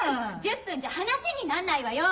１０分じゃ話になんないわよ！